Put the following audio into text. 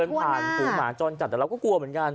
หันผ่านหัวหมาจ้อนจัดแต่เราก็กลัวเหมือนกัน